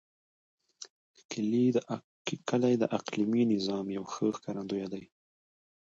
کلي د اقلیمي نظام یو ښه ښکارندوی دی.